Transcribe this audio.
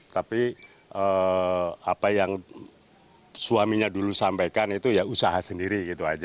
tapi apa yang suaminya dulu sampaikan itu usaha sendiri